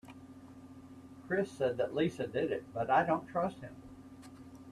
Chris said that Lisa did it but I dont trust him.